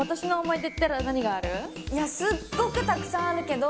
いやすっごくたくさんあるけど。